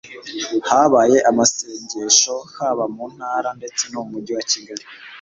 habaye amasengesho haba mu ntara ndetse n'umujyi wa kigali